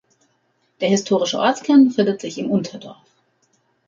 Der historische Ortskern befindet sich im Unterdorf.